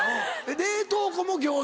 冷凍庫も餃子？